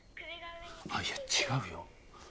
あっいや違うよ。